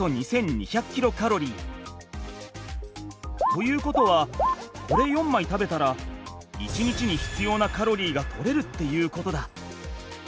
ということはこれ４枚食べたら１日に必要なカロリーが取れるっていうことだ。